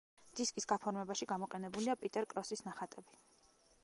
დისკის გაფორმებაში გამოყენებულია პიტერ კროსის ნახატები.